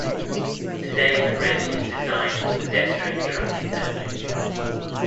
Today the bridge is designed for pedestrian traffic only.